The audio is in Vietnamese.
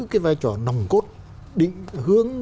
cái vai trò nồng cốt định hướng